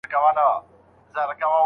دا ناوړه عمل به شخړي پای ته ونه رسوي.